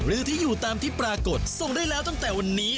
หรือที่อยู่ตามที่ปรากฏส่งได้แล้วตั้งแต่วันนี้